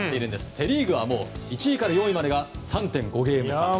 セリーグは１位から４位までが３．５ゲーム差。